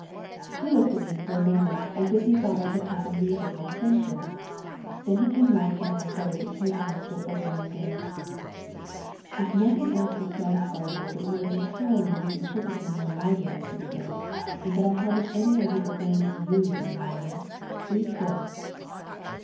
] "He looked at me for a moment, as if he thought I had taken leave of my senses. Then he came round to my side of the table and stood over me again. "'If nothing else will satisfy you that you are entirely misinterpreting my motives,' he said, 'and that I haven't an idea of blaming you in the matter read this.